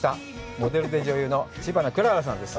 モデルで女優の知花くららさんです。